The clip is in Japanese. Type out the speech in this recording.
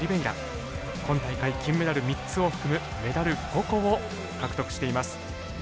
今大会金メダル３つを含むメダル５個を獲得しています。